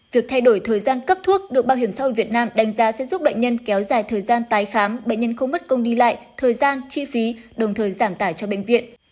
việc thay đổi thời gian cấp thuốc được bảo hiểm xã hội việt nam đánh giá sẽ giúp bệnh nhân kéo dài thời gian tái khám bệnh nhân không mất công đi lại thời gian chi phí đồng thời giảm tải cho bệnh viện